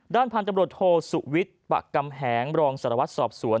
ด้านพันธุ์จำนวดโทษสุวิทปะกำแหงรองสรวจสอบสวน